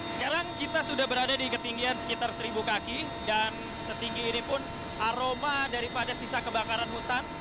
sekarang kita sudah berada di ketinggian sekitar seribu kaki dan setinggi ini pun aroma daripada sisa kebakaran hutan